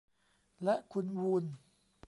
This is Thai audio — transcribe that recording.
และคุณวูน